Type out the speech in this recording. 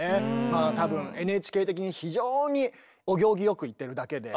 まあ多分ＮＨＫ的に非常にお行儀良く言ってるだけで。